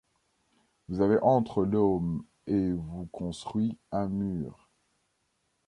Vous avez entre l'homme et vous construit un mur